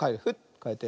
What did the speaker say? かえて。